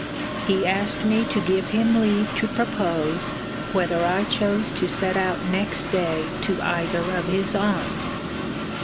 He asked me to give him leave to propose, whether I chose to set out next day to either of his aunts?